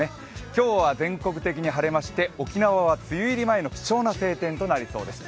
今日は全国的に晴れまして沖縄は梅雨入り前の貴重な晴天となりそうです。